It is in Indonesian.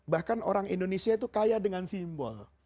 bahkan orang indonesia itu kaya dengan simbol